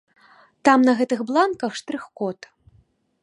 Там на гэтых бланках штрых-код.